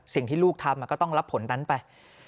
สิ่งที่ลูกทำก็ต้องรับผลนั้นไป